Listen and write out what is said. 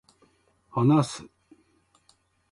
話す、